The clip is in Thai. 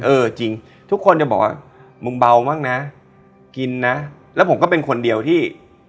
เออจริงทุกคนจะบอกว่ามึงเบาบ้างนะกินนะแล้วผมก็เป็นคนเดียวที่